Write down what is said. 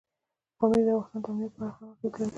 پامیر د افغانستان د امنیت په اړه هم اغېز لري.